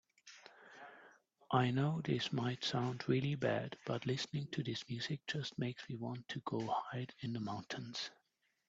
I know this might sound really bad, but listening to this music just makes me want to go hide in the mountains.